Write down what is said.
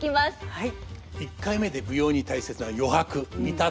はい。